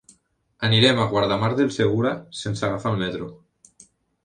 Anirem a Guardamar del Segura sense agafar el metro.